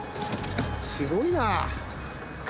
すごいな。